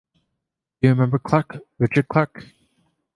D'you remember Clarke, Richard Clarke?